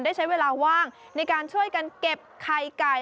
ได้ใช้เวลาว่างในการช่วยกันเก็บไข่ไก่